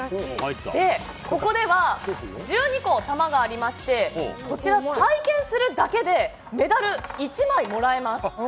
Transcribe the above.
ここでは、１２個玉がありましてこちら体験するだけでメダル１枚もらえます。